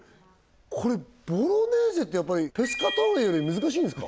これボロネーゼってペスカトーレより難しいんですか？